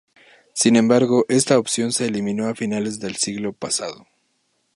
Sin embargo, esta opción se eliminó a finales del siglo pasado.